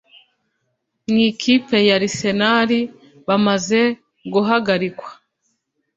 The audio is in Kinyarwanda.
mwikipe ya arisenali bamaze guhagarikwa